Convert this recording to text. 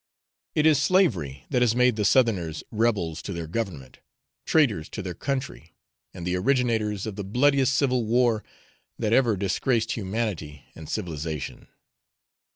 It is slavery that has made the Southerners rebels to their government, traitors to their country, and the originators of the bloodiest civil war that ever disgraced humanity and civilisation.